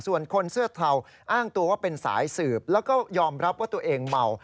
ส่วนคนเสื้อเทาอ้างตัวว่าเป็นสายสืบแล้วก็ยอมรับว่าตัวเองเมา